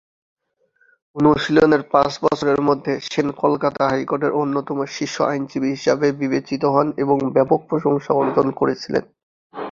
অনুশীলনের পাঁচ বছরের মধ্যে, সেন কলকাতা হাইকোর্টের অন্যতম শীর্ষ আইনজীবী হিসাবে বিবেচিত হন এবং ব্যাপক প্রশংসা অর্জন করেছিলেন।